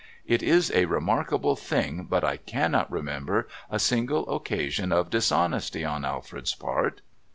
It is a remarkable thing, but I cannot remember a single occasion of dishonesty on Alfred's part.